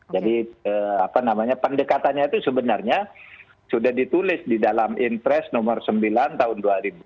jadi pendekatannya itu sebenarnya sudah ditulis di dalam intres nomor sembilan tahun dua ribu dua puluh